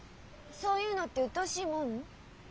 そういうのってうっとうしいもん？